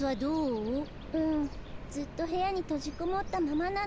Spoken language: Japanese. うんずっとへやにとじこもったままなの。